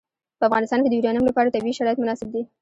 په افغانستان کې د یورانیم لپاره طبیعي شرایط مناسب دي.